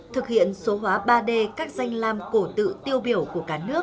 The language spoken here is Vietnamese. thực hiện số hóa ba d các danh lam cổ tự tiêu biểu